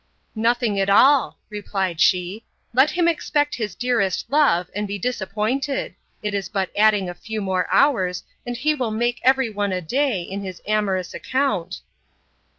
Nothing at all, replied she; let him expect his dearest love, and be disappointed; it is but adding a few more hours, and he will make every one a day, in his amorous account.